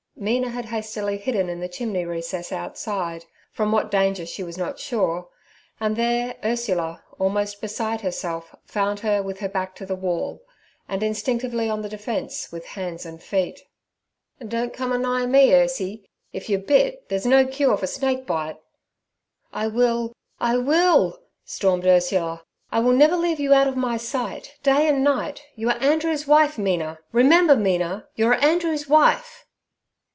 Mina had hastily hidden in the chimney recess outside—from what danger she was not sure—and there Ursula, almost beside herself, found her with her back to the wall, and instinctively on the defence with hands and feet. 'Don't come a nigh me, Ursie! If you're bit, there's no cure for snake bite!' 'I will—I will!' stormed Ursula. 'I will never leave you out of my sight, day and night. You are Andrew's wife, Mina; remember, Mina, you're Andrew's wife!'